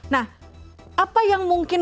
nah apa yang mungkin